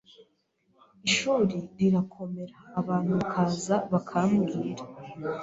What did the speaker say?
ishuri rirakomera abantu bakaza bakambwira